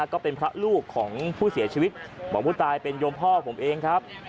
ก็เป็นพระลูกของผู้เสียชีวิตบอกผู้ตายเป็นโยมพ่อผมเองครับ